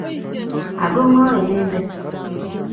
Ago ng'o inendet?